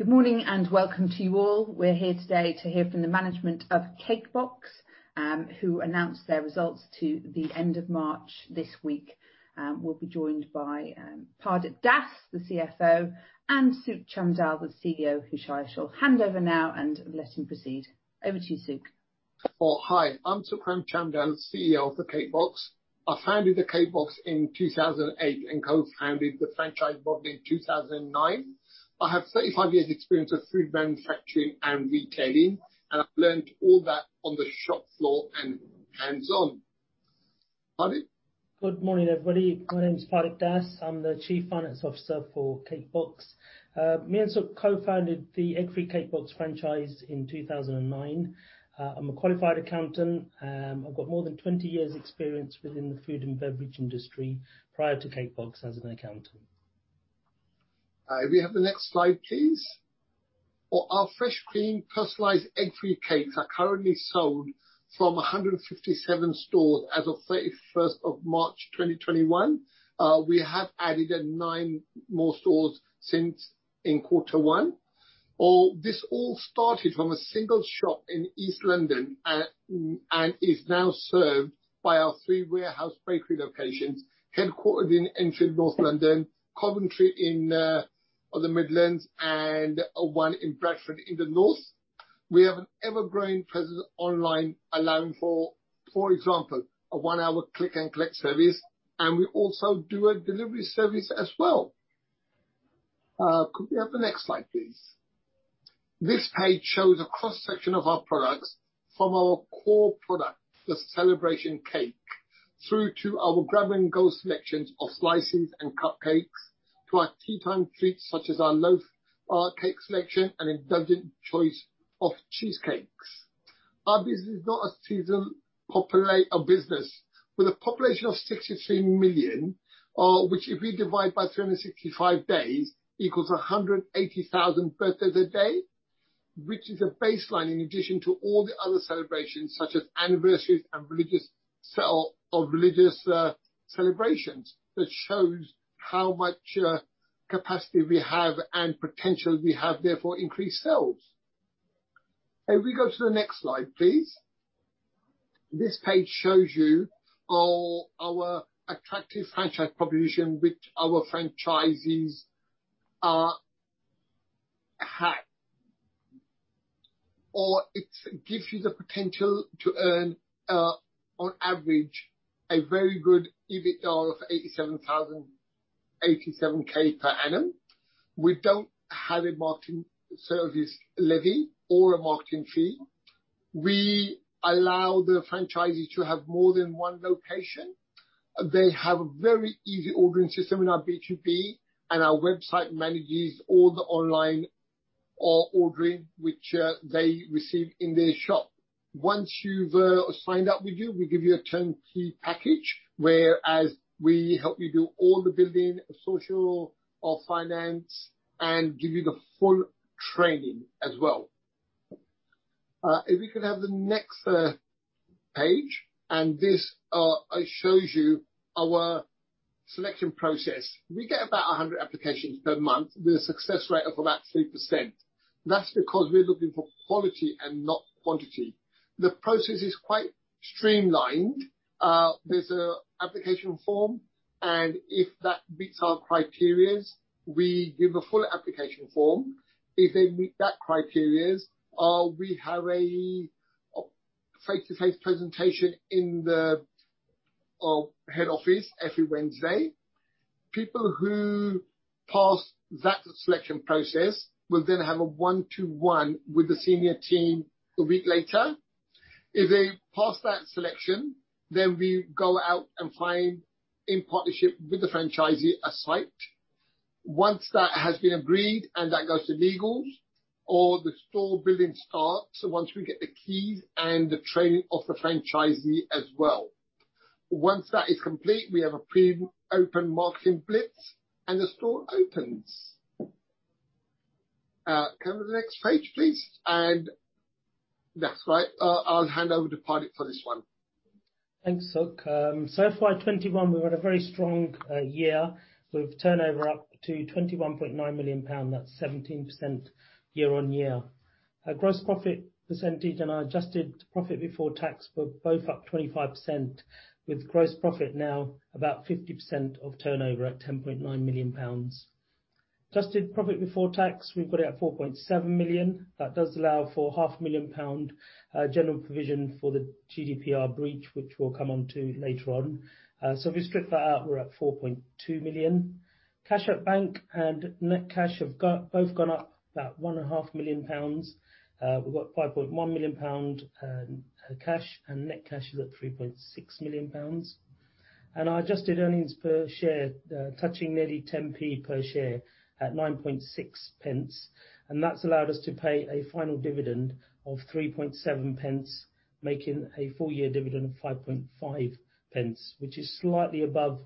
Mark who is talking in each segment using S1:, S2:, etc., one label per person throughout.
S1: Good morning, and welcome to you all. We're here today to hear from the management of Cake Box, who announced their results to the end of March this week. We'll be joined by Pardip Dass, the CFO, and Sukh Chamdal, the CEO, who I shall hand over now and let him proceed. Over to you, Sukh.
S2: Hi, I'm Sukh Chamdal, CEO of The Cake Box. I founded The Cake Box in 2008 and co-founded the franchise model in 2009. I have 35 years experience of food manufacturing and retailing, and I've learned all that on the shop floor and hands-on. Pardip?
S3: Good morning, everybody. My name is Pardip Dass. I'm the Chief Financial Officer for Cake Box. Me and Sukh co-founded the Eggfree Cake Box franchise in 2009. I'm a qualified accountant. I've got more than 20 years experience within the food and beverage industry prior to Cake Box as an accountant.
S2: If you have the next slide, please. Our fresh cream, personalized Eggfree Cakes are currently sold from 157 stores as of 31st of March 2021. We have added nine more stores since in quarter one. This all started from a single shop in East London and is now served by our three warehouse bakery locations, headquartered in Enfield, North London, Coventry in the Midlands, and one in Bradford in the North. We have an ever-growing presence online, allowing for example, a 1-Hour Click & Collect service, and we also do a delivery service as well. Could we have the next slide, please? This page shows a cross-section of our products from our core product, the celebration cake, through to our grab-and-go selections of slices and cupcakes, to our tea time treats such as our loaf cake selection and a dozen choice of cheesecakes. Our business is not a seasonal business. With a population of 63 million, which if you divide by 365 days equals 180,000 birthdays a day, which is a baseline in addition to all the other celebrations such as anniversaries and religious celebrations. That shows how much capacity we have and potential we have, therefore increased sales. If we go to the next slide, please. This page shows you our attractive franchise proposition which our franchisees are. It gives you the potential to earn, on average, a very good EBITDA of 87,000 per annum. We don't have a marketing service levy or a marketing fee. We allow the franchisee to have more than one location. They have a very easy ordering system in our B2B, and our website manages all the online ordering, which they receive in their shop. Once you've signed up with you, we give you a turnkey package, where we help you do all the building, social, finance, and give you the full training as well. If you could have the next page. This shows you our selection process. We get about 100 applications per month with a success rate of about 30%. That's because we're looking for quality and not quantity. The process is quite streamlined. There's an application form. If that meets our criteria, we give a full application form. If they meet that criteria, we have a face-to-face presentation in the head office every Wednesday. People who pass that selection process will then have a one-to-one with the senior team one week later. If they pass that selection, then we go out and find, in partnership with the franchisee, a site. Once that has been agreed and that goes to legal, the store building starts once we get the keys and the training of the franchisee as well. Once that is complete, we have a pre-open marketing blitz, and the store opens. Can we have the next page, please? That's right, I'll hand over to Pardip for this one.
S3: Thanks, Sukh. FY 2021, we've had a very strong year with turnover up to 21.9 million pound, that's 17% year-on-year. Our gross profit percentage and our adjusted profit before tax were both up 25%, with gross profit now about 50% of turnover at 10.9 million pounds. Adjusted profit before tax, we've got it at 4.7 million. That does allow for 500,000 pound general provision for the GDPR breach, which we'll come onto later on. If we strip that out, we're at 4.2 million. Cash at bank and net cash have both gone up about 1.5 million pounds. We've got 5.1 million pound cash, and net cash is at 3.6 million pounds. Our adjusted earnings per share touching nearly 0.10 per share at 0.096, that's allowed us to pay a final dividend of 0.037, making a full-year dividend GBP 0.055, which is slightly above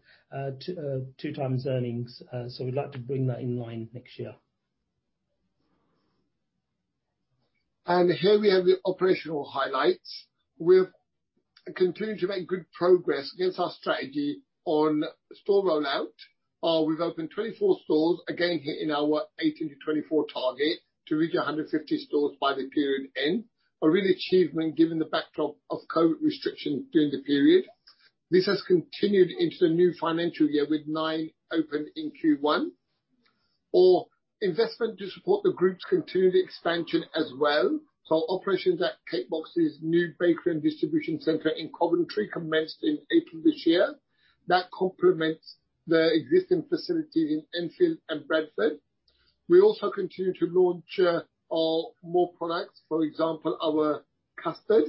S3: two times earnings. We'd like to bring that in line next year.
S2: Here we have the operational highlights. We've continued to make good progress against our strategy on store rollout. We've opened 24 stores, again, hitting our 18 to 24 target to reach 150 stores by the period end. A real achievement given the backdrop of COVID restrictions during the period. This has continued into the new financial year, with nine opened in Q1. Our investment to support the group's continued expansion as well. Our operations at Cake Box's new bakery and distribution center in Coventry commenced in April this year. That complements the existing facilities in Enfield and Bradford. We also continue to launch more products, for example, our custard.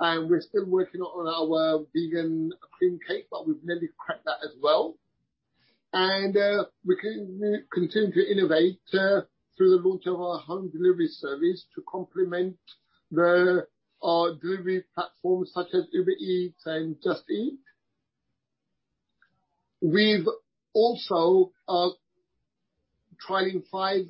S2: We're still working on our vegan cream cake, but we've nearly cracked that as well. We continue to innovate through the launch of our home delivery service to complement our delivery platforms such as Uber Eats and Just Eat. We've also trading five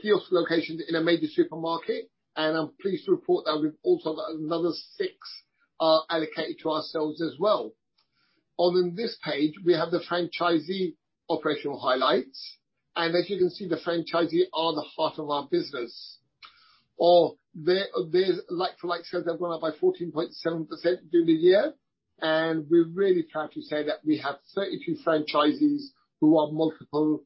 S2: kiosk locations in a major supermarket, and I'm pleased to report that we've also got another six allocated to ourselves as well. On this page, we have the franchisee operational highlights, and as you can see, the franchisee are the heart of our business. like-for-like sales are going up by 14.7% during the year, and we're really proud to say that we have 32 franchisees who are multiple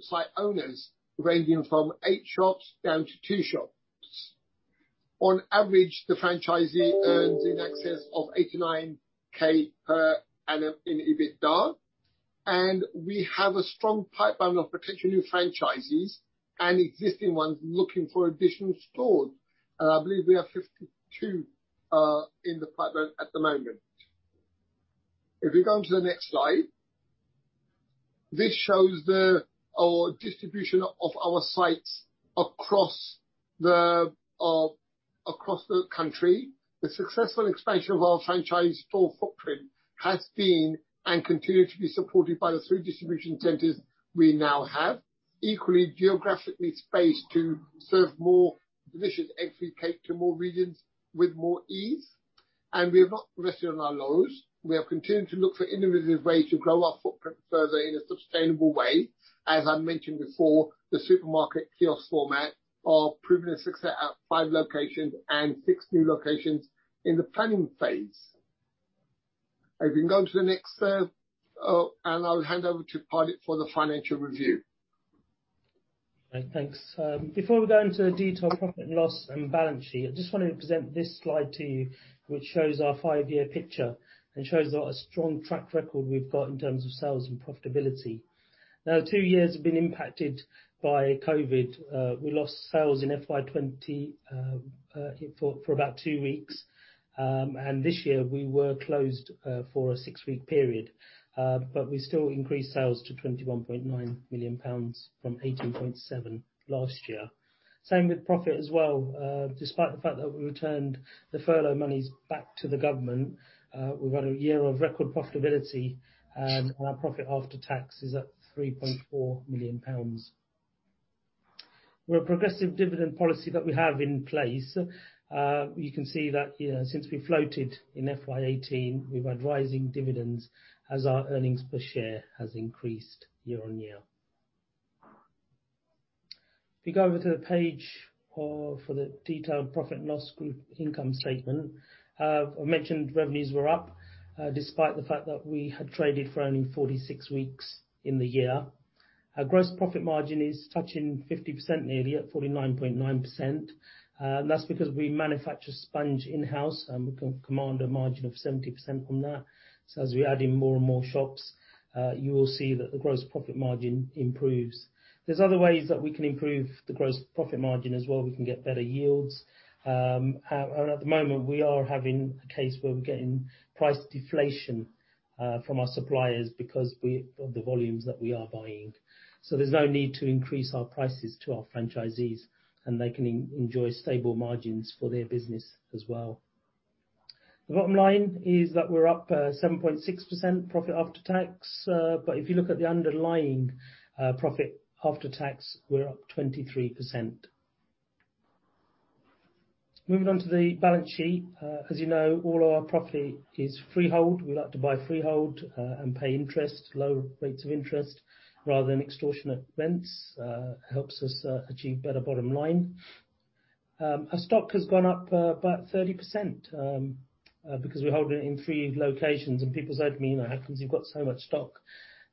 S2: site owners, ranging from eight shops down to two shops. On average, the franchisee earns in excess of 89,000 per annum in EBITDA, and we have a strong pipeline of potential new franchisees and existing ones looking for additional stores. I believe we have 52 in the pipeline at the moment. If we go on to the next slide. This shows the distribution of our sites across the country. The successful expansion of our franchise store footprint has been and continue to be supported by the three distribution centers we now have, equally geographically spaced to serve more delicious cakes to more regions with more ease. We have not rested on our laurels. We have continued to look for innovative ways to grow our footprint further in a sustainable way. As I mentioned before, the supermarket kiosk format are proven a success at five locations and six new locations in the planning phase. If we can go to the next slide, I'll hand over to Pardip for the financial review.
S3: Thanks. Before we go into the detailed profit and loss and balance sheet, I just wanted to present this slide to you, which shows our five-year picture and shows our strong track record we've got in terms of sales and profitability. Now two years have been impacted by COVID. We lost sales in FY 2020 for about two weeks. This year we were closed for a six-week period. We still increased sales to 21.9 million pounds from 18.7 million last year. Same with profit as well. Despite the fact that we returned the furlough monies back to the government, we've had a year of record profitability, and our profit after tax is at 3.4 million pounds. With progressive dividend policy that we have in place, you can see that since we floated in FY 2018, we've had rising dividends as our earnings per share has increased year-on-year. If you go over to the page for the detailed profit and loss group income statement. I mentioned revenues were up despite the fact that we had traded for only 46 weeks in the year. Our gross profit margin is touching 50% nearly at 49.9%. That's because we manufacture sponge in-house, and we can command a margin of 70% on that. As we add in more and more shops, you will see that the gross profit margin improves. There's other ways that we can improve the gross profit margin as well. We can get better yields. At the moment, we are having a case where we're getting price deflation from our suppliers because of the volumes that we are buying. There's no need to increase our prices to our franchisees, and they can enjoy stable margins for their business as well. The bottom line is that we're up 7.6% profit after tax. If you look at the underlying profit after tax, we're up 23%. Moving on to the balance sheet. As you know, all our property is freehold. We like to buy freehold and pay interest, low rates of interest rather than extortionate rents. It helps us achieve better bottom line. Our stock has gone up about 30% because we hold it in three locations. People said to me, "Well, how come you've got so much stock?"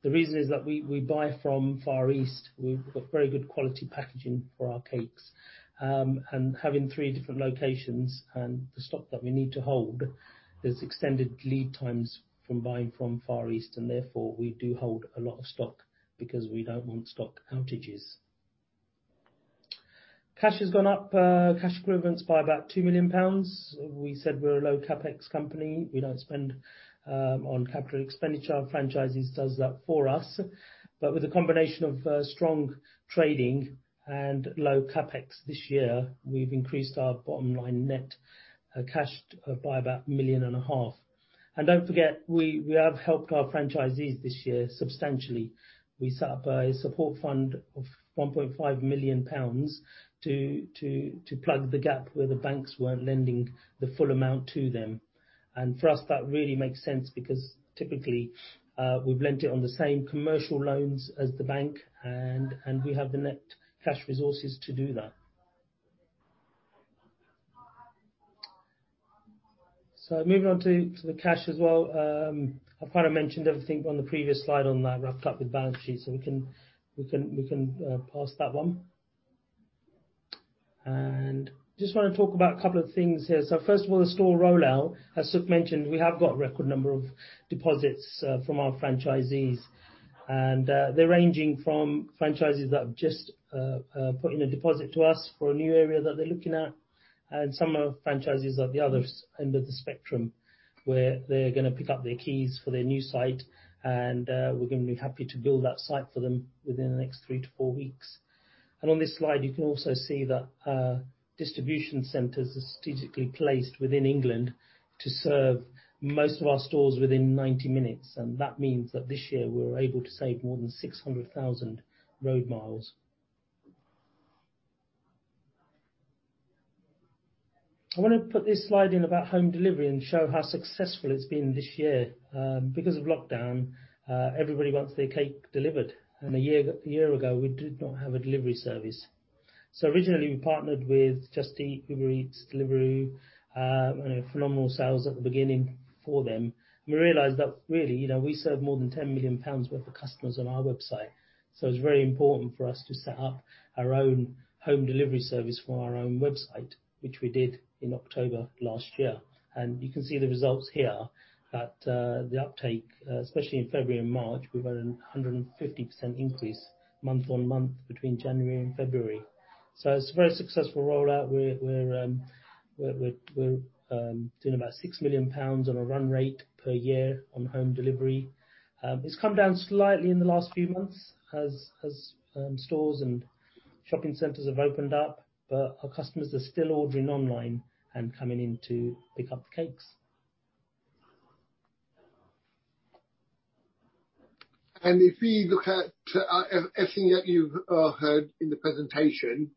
S3: The reason is that we buy from Far East. We've got very good quality packaging for our cakes. Having three different locations and the stock that we need to hold, there's extended lead times from buying from Far East, and therefore we do hold a lot of stock because we don't want stock outages. Cash has gone up, cash equivalents, by about 2 million pounds. We said we're a low CapEx company. We don't spend on capital expenditure. Our franchisees does that for us. With a combination of strong trading and low CapEx this year, we've increased our bottom line net cash by about GBP a million and a half. Don't forget, we have helped our franchisees this year substantially. We set up a support fund of 1.5 million pounds to plug the gap where the banks weren't lending the full amount to them. For us, that really makes sense because typically, we've lent it on the same commercial loans as the bank, and we have the net cash resources to do that. Moving on to the cash as well, I've kind of mentioned everything on the previous slide on that wrapped up with balance sheet, so we can pass that one. Just want to talk about a couple of things here. First of all, the store rollout, as Sukh mentioned, we have got a record number of deposits from our franchisees, and they're ranging from franchisees that have just put in a deposit to us for a new area that they're looking at, and some of the franchisees at the other end of the spectrum, where they're going to pick up their keys for their new site, and we're going to be happy to build that site for them within the next three to four weeks. On this slide, you can also see that distribution centers are strategically placed within England to serve most of our stores within 90 minutes, and that means that this year we're able to save more than 600,000 road miles. I want to put this slide in about home delivery and show how successful it's been this year. Because of lockdown, everybody wants their cake delivered, and a year ago, we did not have a delivery service. Originally, we partnered with Just Eat, Uber Eats, Deliveroo, phenomenal sales at the beginning for them. We realized that really, we serve more than 10 million pounds worth of customers on our website, so it's very important for us to set up our own home delivery service for our own website, which we did in October last year. You can see the results here that the uptake, especially in February and March, we've had a 150% increase month-on-month between January and February. It's a very successful rollout. We're doing about 6 million pounds on a run rate per year on home delivery. It's come down slightly in the last few months as stores and shopping centers have opened up, but our customers are still ordering online and coming in to pick up cakes.
S2: If we look at everything that you've heard in the presentation,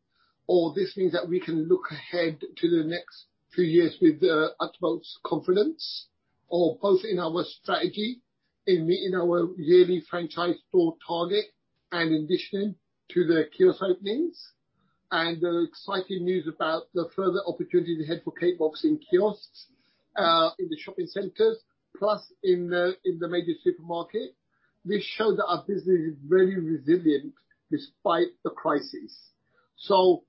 S2: all this means that we can look ahead to the next few years with the utmost confidence, both in our strategy, in our yearly franchise store target, and in addition to the kiosk openings, and the exciting news about the further opportunity ahead for Cake Box in kiosks in the shopping centers, plus in the major supermarket. This shows that our business is very resilient despite the crisis. If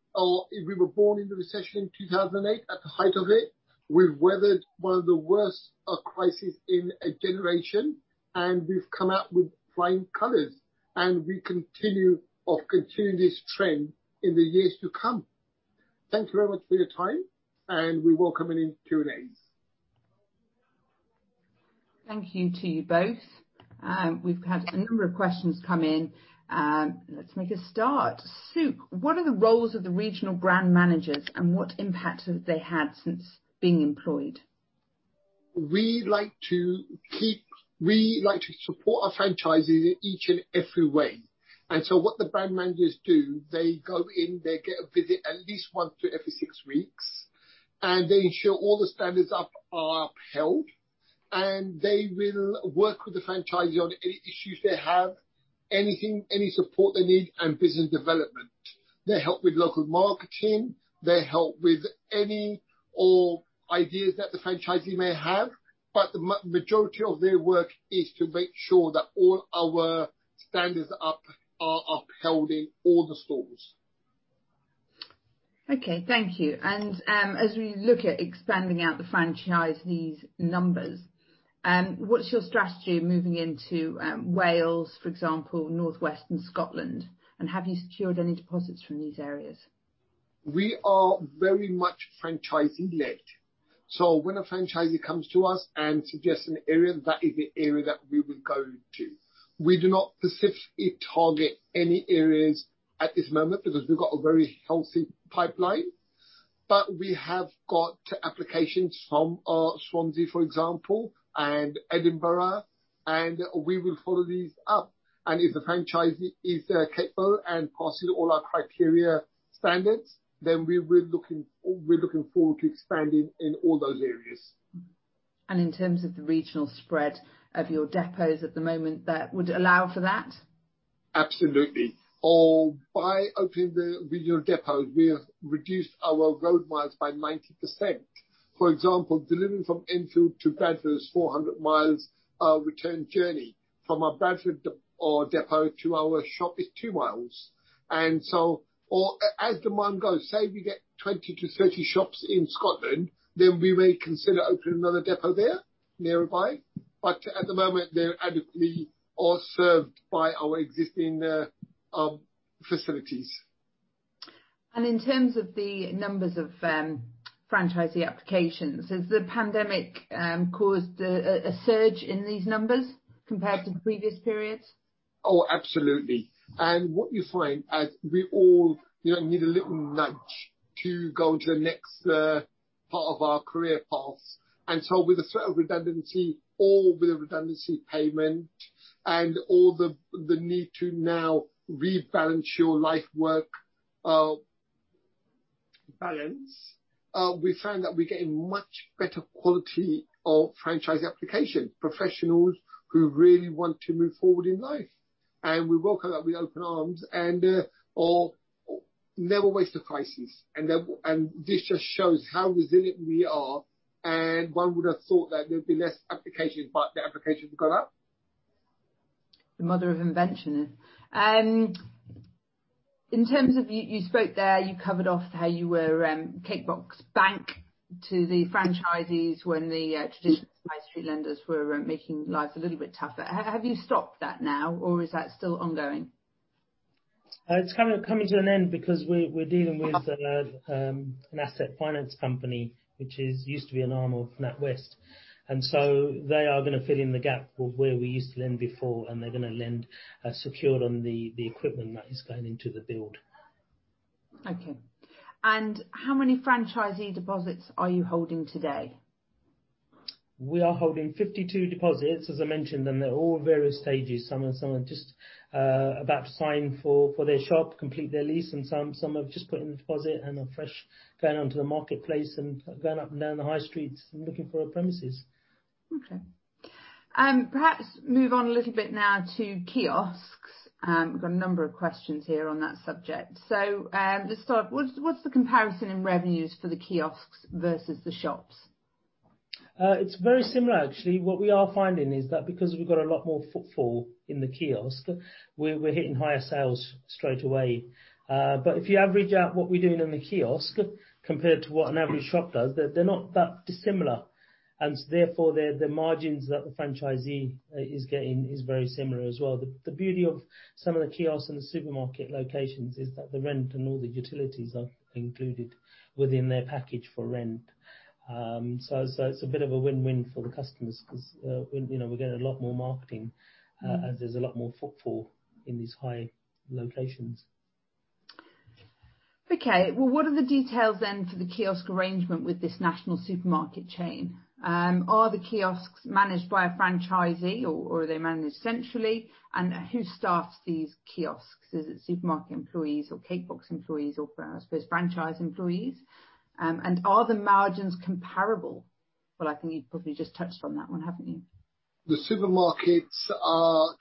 S2: we were born in the recession in 2008, at the height of it, we've weathered one of the worst crisis in a generation, and we've come out with flying colors, and we continue this trend in the years to come. Thanks very much for your time. We welcome any Q&As.
S1: Thank you to you both. We've had a number of questions come in. Let's make a start. Sukh, what are the roles of the Regional Brand Managers, and what impact have they had since being employed?
S2: We like to support our franchisees in each and every way, and so what the Brand Managers do, they go in, they get a visit at least once every six weeks, and they ensure all the standards are upheld, and they will work with the franchisee on any issues they have, anything, any support they need, and business development. They help with local marketing. They help with any ideas that the franchisee may have, but the majority of their work is to make sure that all our standards are upheld in all the stores.
S1: Okay, thank you. As we look at expanding out the franchisees' numbers, what's your strategy moving into Wales, for example, North West and Scotland, and have you secured any deposits from these areas?
S2: We are very much franchising led. When a franchisee comes to us and suggests an area, that is the area that we would go to. We do not specifically target any areas at this moment because we've got a very healthy pipeline, but we have got applications from Swansea, for example, and Edinburgh, and we will follow these up. If a franchisee is capable and passes all our criteria standards, then we're looking forward to expanding in all those areas.
S1: In terms of the regional spread of your depots at the moment, would it allow for that?
S2: Absolutely. By opening the regional depots, we have reduced our road miles by 90%. For example, delivering from Enfield to Bradford is 400 mi return journey. From our Bradford depot to our shop is 2 mi. As the mind goes, say we get 20-30 shops in Scotland, then we may consider opening another depot there nearby, but at the moment, they're adequately all served by our existing facilities.
S1: In terms of the numbers of franchisee applications, has the pandemic caused a surge in these numbers compared to previous periods?
S2: Oh, absolutely. What you find as we all need a little nudge to go to the next part of our career path. With the threat of redundancy or with the redundancy payment and all the need to now rebalance your life work balance, we found that we're getting much better quality of franchise application. Professionals who really want to move forward in life. We welcome that with open arms. Never waste a crisis. This just shows how resilient we are and one would have thought that there'd be less applications, but the applications go up.
S1: The mother of invention. In terms of, you spoke there, you covered off how you were Cake Box bank to the franchisees when the traditional high street lenders were making life a little bit tougher. Have you stopped that now or is that still ongoing?
S3: It's kind of coming to an end because we're dealing with an asset finance company, which used to be an arm of NatWest. They are going to fill in the gap of where we used to lend before, and they're going to lend, secured on the equipment that is going into the build.
S1: Okay. How many franchisee deposits are you holding today?
S3: We are holding 52 deposits, as I mentioned, and they're all at various stages. Some are just about to sign for their shop, complete their lease, and some have just put a deposit and are fresh going onto the marketplace and going up and down the high streets looking for premises.
S1: Okay. Perhaps move on a little bit now to kiosks. We've got a number of questions here on that subject. To start, what's the comparison in revenues for the kiosks versus the shops?
S3: It's very similar, actually. What we are finding is that because we've got a lot more footfall in the kiosk, we're hitting higher sales straight away. If you average out what we're doing in the kiosk compared to what an average shop does, they're not that dissimilar. Therefore, the margins that the franchisee is getting is very similar as well. The beauty of some of the kiosks in the supermarket locations is that the rent and all the utilities are included within their package for rent. It's a bit of a win-win for the customers because we're getting a lot more marketing, and there's a lot more footfall in these high locations.
S1: Okay. Well, what are the details for the kiosk arrangement with this national supermarket chain? Are the kiosks managed by a franchisee or are they managed centrally? Who staffs these kiosks? Is it supermarket employees or Cake Box employees or franchise employees? Are the margins comparable? Well, I think you've probably just touched on that one, haven't you?
S2: The supermarket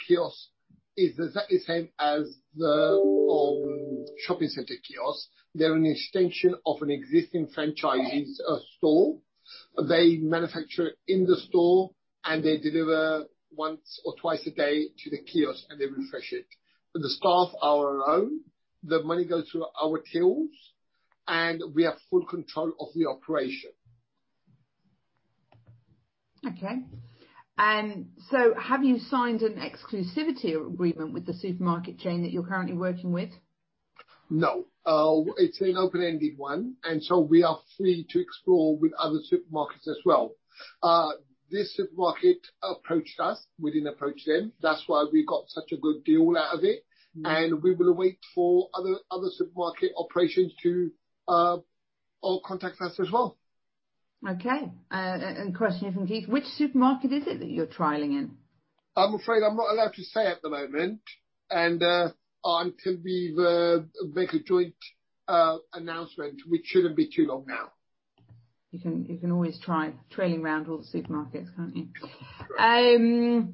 S2: kiosk is exactly the same as the shopping center kiosk. They're an extension of an existing franchisee's store. They manufacture it in the store, and they deliver once or twice a day to the kiosk, and they refresh it. The staff are our own. The money goes to our tills, and we have full control of the operation.
S1: Okay. Have you signed an exclusivity agreement with the supermarket chain that you're currently working with?
S2: No. It's an open-ended one. We are free to explore with other supermarkets as well. This supermarket approached us, we didn't approach them. That's why we got such a good deal out of it. We will wait for other supermarket operations to contact us as well.
S1: Okay. A question from Keith, which supermarket is it that you're trialing in?
S2: I'm afraid I'm not allowed to say at the moment until we make a joint announcement, which shouldn't be too long now.
S1: You can always try trailing around all supermarkets, can't you?
S2: That's right.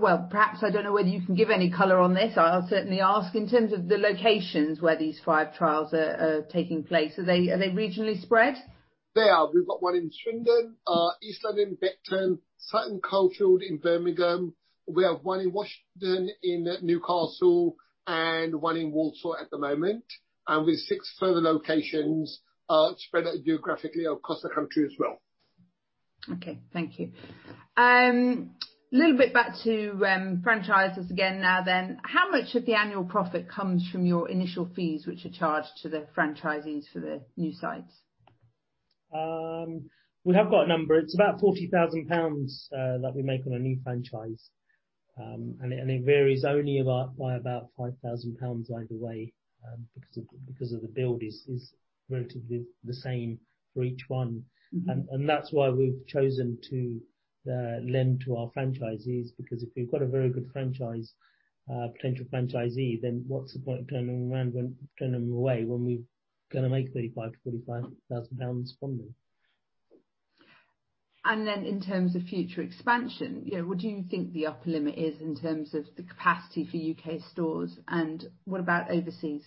S1: Well, perhaps I don't know whether you can give any color on this. I'll certainly ask. In terms of the locations where these five trials are taking place, are they regionally spread?
S2: They are. We've got one in Swindon, East London in Bethnal, Sutton Coldfield in Birmingham. We have one in Washington in Newcastle and one in Walsall at the moment. With six further locations spread out geographically across the country as well.
S1: Okay. Thank you. Little bit back to franchises again now then. How much of the annual profit comes from your initial fees, which are charged to the franchisees for the new sites?
S3: We have got a number. It's about 40,000 pounds that we make on a new franchise. It varies only by about 5,000 pounds either way because the build is relatively the same for each one. That's why we've chosen to lend to our franchisees because if we've got a very good potential franchisee, then what's the point turning them away when we're going to make 35,000, 45,000 pounds from them?
S1: In terms of future expansion, what do you think the upper limit is in terms of the capacity for U.K. stores and what about overseas?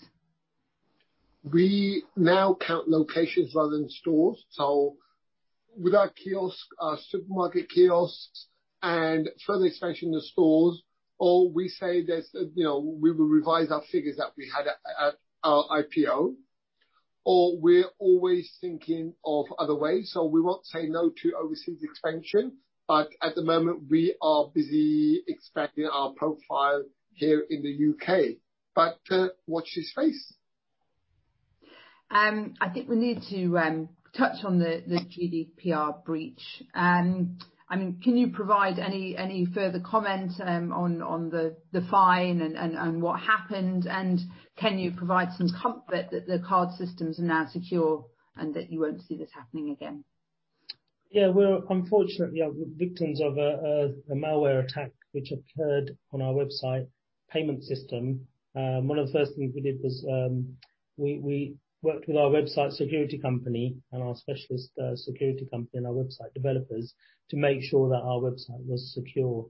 S2: We now count locations rather than stores. With our supermarket kiosks and further expansion of stores, we say we will revise our figures that we had at our IPO, or we're always thinking of other ways. We won't say no to overseas expansion. At the moment, we are busy expanding our profile here in the U.K. Watch this space.
S1: I think we need to touch on the GDPR breach. Can you provide any further comment on the fine and what happened, and can you provide some comfort that the card systems are now secure and that you won't see this happening again?
S3: Yeah. We were unfortunately victims of a malware attack which occurred on our website payment system. One of the first things we did was we worked with our website security company and our specialist security company and our website developers to make sure that our website was secure.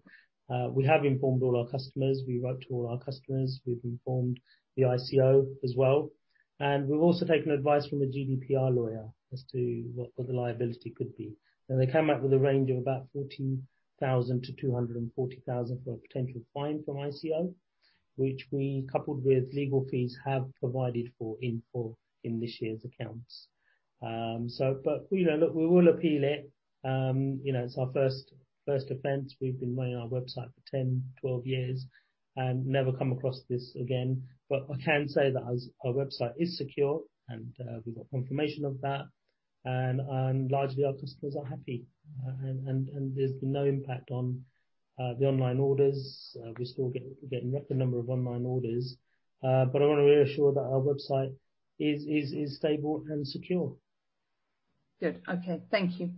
S3: We have informed all our customers. We wrote to all our customers. We've informed the ICO as well, and we've also taken advice from a GDPR lawyer as to what the liability could be. They came up with a range of about 14,000-240,000 for a potential fine from ICO, which we, coupled with legal fees, have provided for in this year's accounts. We will appeal it. It's our first offense. We've been running our website for 10, 12 years and never come across this again. I can say that our website is secure, and we've got confirmation of that, and largely our customers are happy. There's no impact on the online orders. We're still getting a number of online orders. I want to reassure that our website is stable and secure.
S1: Good. Okay. Thank you.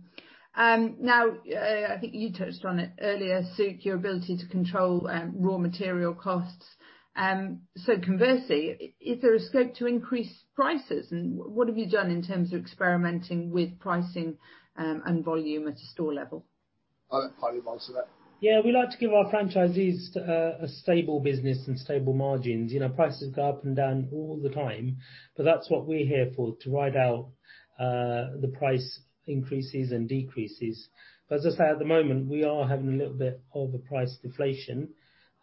S1: I think you touched on it earlier, Sukh, your ability to control raw material costs. Conversely, is there a scope to increase prices? What have you done in terms of experimenting with pricing and volume at a store level?
S2: Pardip will probably answer that.
S3: Yeah, we like to give our franchisees a stable business and stable margins. Prices go up and down all the time, but that's what we're here for, to ride out the price increases and decreases. As I say, at the moment, we are having a little bit of a price deflation,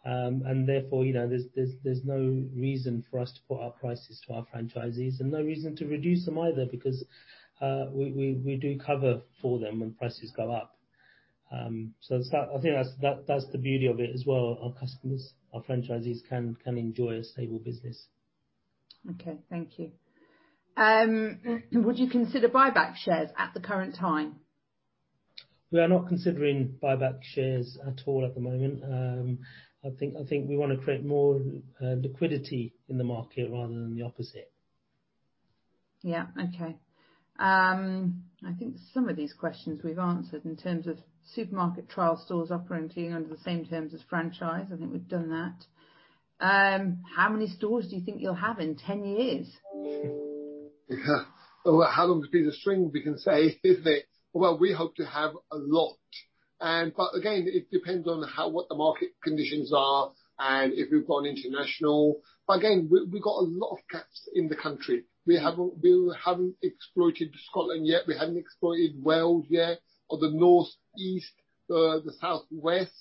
S3: and therefore, there's no reason for us to put up prices to our franchisees and no reason to reduce them either because we do cover for them when prices go up. I think that's the beauty of it as well. Our customers, our franchisees can enjoy a stable business.
S1: Okay. Thank you. Would you consider buyback shares at the current time?
S3: We are not considering buyback shares at all at the moment. I think we want to create more liquidity in the market rather than the opposite.
S1: Yeah. Okay. I think some of these questions we've answered in terms of supermarket trial stores operating under the same terms as franchise. I think we've done that. How many stores do you think you'll have in 10 years?
S2: Well, how long's a piece of string we can say, isn't it? Well, we hope to have a lot. Again, it depends on what the market conditions are and if we've gone international. Again, we've got a lot of gaps in the country. We haven't exploited Scotland yet. We haven't exploited Wales yet, or the Northeast, the Southwest.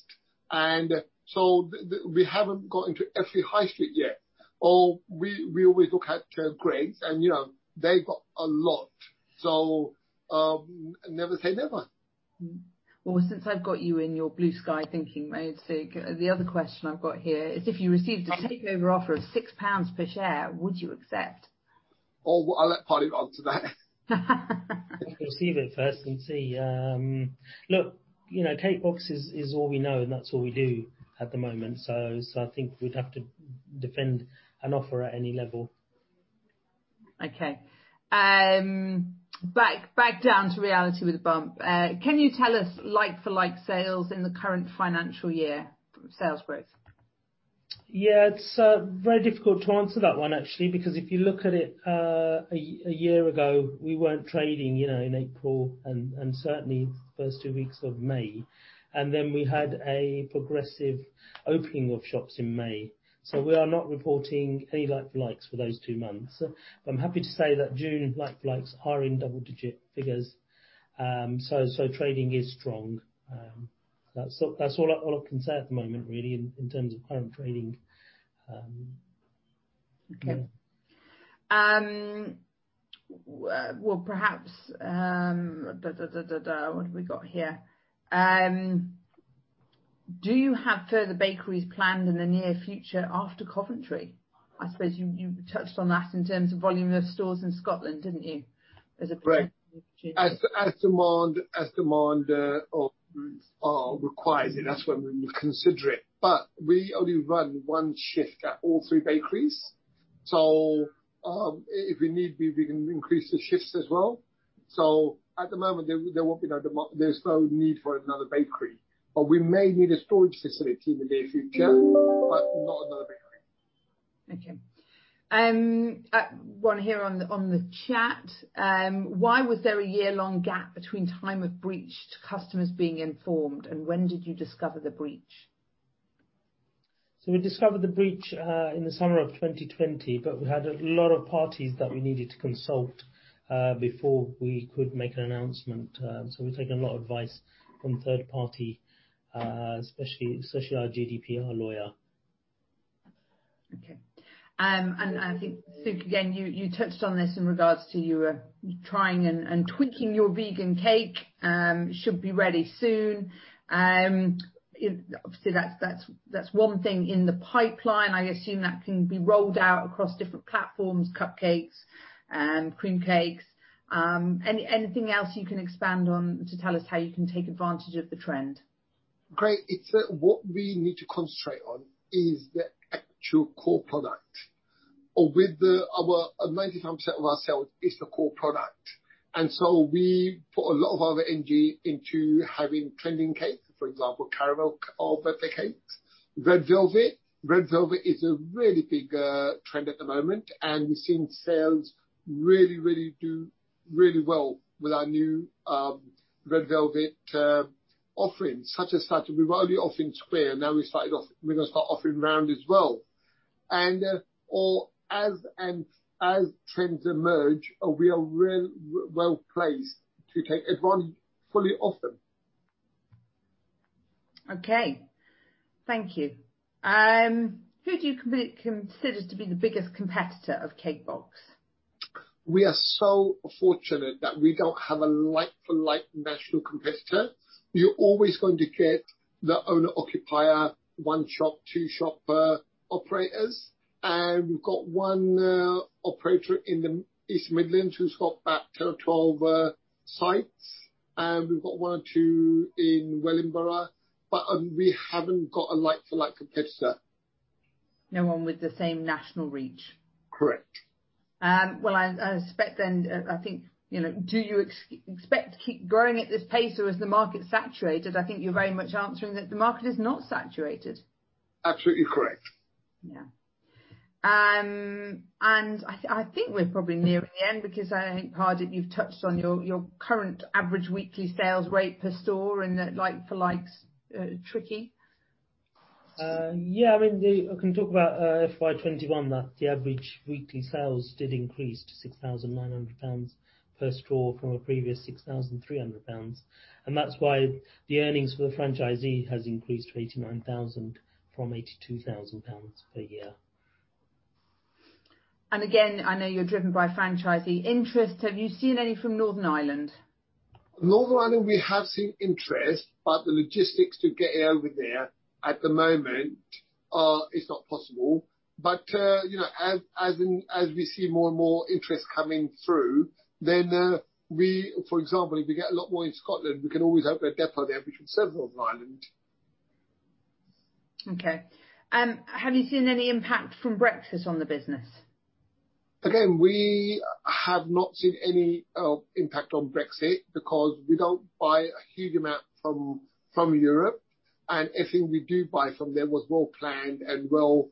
S2: We haven't got into every high street yet, or we always look at Greggs, and they've got a lot, so never say never.
S1: Well, since I've got you in your blue sky thinking mode, Sukh, the other question I've got here is if you received a takeover offer of 6 pounds per share, would you accept?
S2: Oh, I'll let Pardip answer that.
S3: We'll receive it first and see. Look, Cake Box is all we know, and that's all we do at the moment. I think we'd have to defend an offer at any level.
S1: Back down to reality with a bump. Can you tell us like-for-like sales in the current financial year sales growth?
S3: Yeah, it's very difficult to answer that one actually, because if you look at it a year ago, we weren't trading in April and certainly the first two weeks of May. We had a progressive opening of shops in May. We are not reporting any like-for-likes for those two months. I'm happy to say that June like-for-likes are in double-digit figures. Trading is strong. That's all I can say at the moment really in terms of current trading.
S1: Okay. Well, perhaps. What have we got here? Do you have further bakeries planned in the near future after Coventry? I suppose you touched on that in terms of volume of stores in Scotland, didn't you?
S2: As demand requires it, that's when we would consider it. We only run one shift at all three bakeries. If we need be, we can increase the shifts as well. At the moment, there's no need for another bakery. We may need a storage facility in the near future, but not another bakery.
S1: Okay. One here on the chat. Why was there a year-long gap between time of breach to customers being informed, and when did you discover the breach?
S3: We discovered the breach in the summer of 2020, but we had a lot of parties that we needed to consult before we could make an announcement. We took a lot of advice from third party, especially our GDPR lawyer.
S1: Okay. I think, Sukh, again, you touched on this in regards to you trying and tweaking your vegan cake, should be ready soon. Obviously, that's one thing in the pipeline. I assume that can be rolled out across different platforms, cupcakes and cream cakes. Anything else you can expand on to tell us how you can take advantage of the trend?
S2: Great. What we need to concentrate on is the actual core product. With 90% of our sales is the core product, and so we put a lot of our energy into having trending cakes, for example, caramel or birthday cakes. red velvet. red velvet is a really big trend at the moment, and we've seen sales really do well with our new red velvet offerings, such as that. We've only offering square, now we're going to start offering round as well. As trends emerge, we are really well-placed to take everyone fully often.
S1: Okay. Thank you. Who do you consider to be the biggest competitor of Cake Box?
S2: We are fortunate that we don't have a like-for-like national competitor. You're always going to get the owner-occupier, one-shop, two-shop operators. We've got one operator in the East Midlands who's got about 12 sites, and we've got one or two in Wellingborough. We haven't got a like-for-like competitor.
S1: No one with the same national reach.
S2: Correct.
S1: Well, I expect then, I think, do you expect to keep growing at this pace or has the market saturated? I think you're very much answering that the market is not saturated.
S2: Absolutely correct.
S1: Yeah. I think we're probably near the end because I think, Pardip, you've touched on your current average weekly sales rate per store and that like-for-likes are tricky.
S3: Yeah. I mean, I can talk about FY 2021, that the average weekly sales did increase to 6,900 pounds per store from a previous 6,300 pounds. That's why the earnings for the franchisee has increased to 89,000 from 82,000 pounds per year.
S1: Again, I know you're driven by franchisee interest. Have you seen any from Northern Ireland?
S2: Northern Ireland, we have seen interest, but the logistics to get it over there at the moment, it's not possible. As we see more and more interest coming through, then we, for example, if we get a lot more in Scotland, we can always open a depot there, we can serve Northern Ireland.
S1: Okay. Have you seen any impact from Brexit on the business?
S2: Again, we have not seen any impact on Brexit because we don't buy a huge amount from Europe. Anything we do buy from them was well planned and well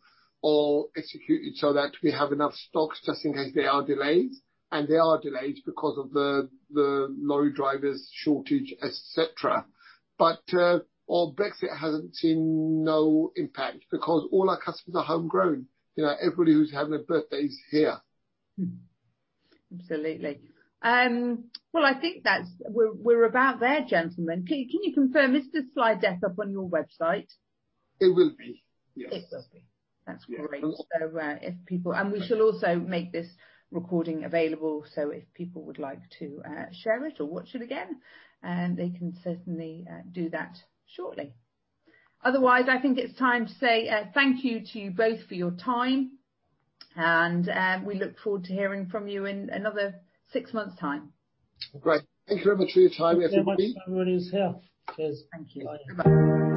S2: executed so that we have enough stocks just in case there are delays. There are delays because of the lorry drivers shortage, et cetera. On Brexit hasn't seen no impact because all our customers are homegrown. Everybody who's having a birthday is here.
S1: Absolutely. Well, I think that we're about there, gentlemen. Can you confirm is the slide deck up on your website?
S2: It will be. Yes.
S1: It does look. That's great. We shall also make this recording available, so if people would like to share it or watch it again, they can certainly do that shortly. Otherwise, I think it's time to say thank you to you both for your time, and we look forward to hearing from you in another six months' time.
S2: Greggs. Thank you very much for your time.
S3: Thank you so much for having us here. Cheers.
S1: Thank you. Bye.